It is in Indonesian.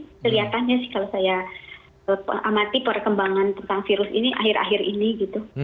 jadi kelihatannya sih kalau saya amati perekkembangan tentang virus ini akhir akhir ini gitu